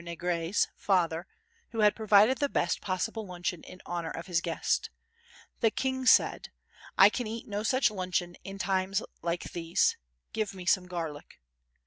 Negri's) father who had provided the best possible luncheon in honour of his guest. The King said: "I can eat no such luncheon in times like these—give me some garlic."